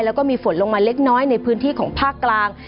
แล้วก็มีฝนลงมาเล็กน้อยในพื้นที่ของภาคกลาง